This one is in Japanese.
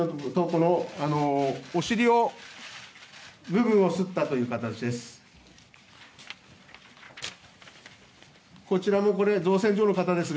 このお尻の部分をすったという形です。